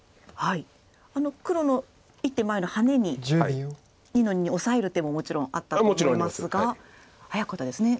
黒の１手前のハネに２の二にオサえる手ももちろんあったと思いますが早かったですね。